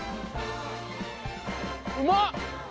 うまっ。